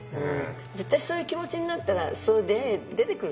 絶対そういう気持ちになったらそういう出会い出てくると思う。